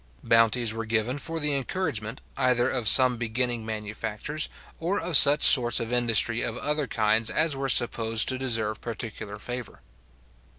Bounties were given for the encouragement, either of some beginning manufactures, or of such sorts of industry of other kinds as were supposed to deserve particular favour.